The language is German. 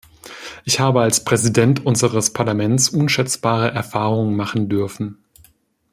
Ich habe als Präsident unseres Parlaments unschätzbare Erfahrungen machen dürfen.